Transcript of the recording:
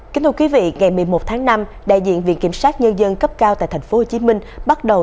kính thưa quý vị ngày một mươi một tháng năm đại diện viện kiểm sát nhân dân cấp cao tại tp hcm bắt đầu